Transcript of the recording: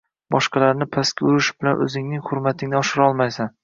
Boshqalarni pastga urish bilan o‘zingning hurmatingni oshirolmaysan